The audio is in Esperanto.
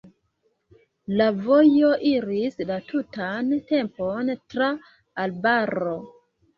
La vojo iris la tutan tempon tra arbaro.